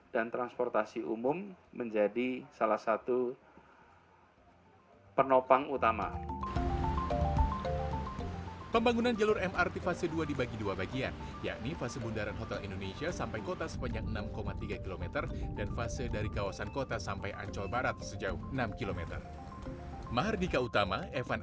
dan transportasi umum menjadi salah satu penopang utama